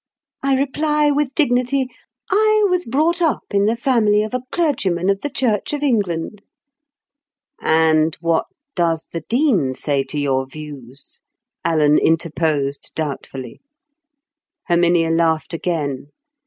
I reply with dignity, 'I was brought up in the family of a clergyman of the Church of England.'" "And what does the Dean say to your views?" Alan interposed doubtfully. Herminia laughed again.